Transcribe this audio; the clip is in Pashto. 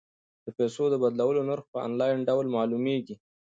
د پيسو د بدلولو نرخ په انلاین ډول معلومیږي.